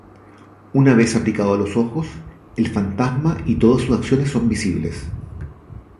Una vez aplicado a los ojos, el fantasma y todas sus acciones son visibles.